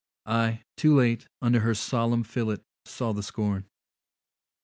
I, too late, Under her solemn fillet saw the scorn.